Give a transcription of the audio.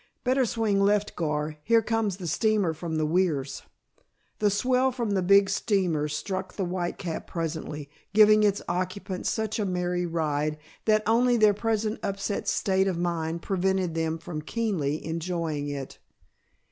Better swing left, Gar. Here comes the steamer from the Weirs." The swell from the big steamer struck the Whitecap presently, giving its occupants such a merry ride, that only their present upset state of mind prevented them from keenly enjoying it.